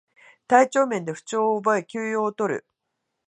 体調面で不調を覚え休養をとる